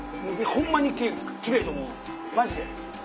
ホンマに奇麗と思うマジで。